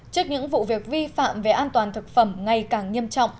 trước những vụ việc vi phạm về an toàn thực phẩm ngày càng nghiêm trọng